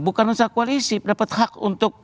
bukan usaha koalisi dapat hak untuk